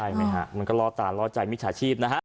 ใช่ไหมค่ะมันก็รอตารอใจมิจฉาชีพนะฮะ